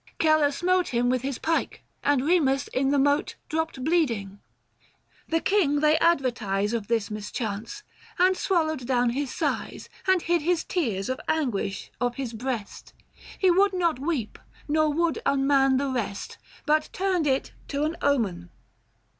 Celer smote Him with his pike, and Kemus in the moat Dropped bleeding. The king they advertise Of this mischance, who swallowed down his sighs, 980 And hid his tears and anguish of his breast ; He would not weep nor would unman the rest, But turned it to an omen.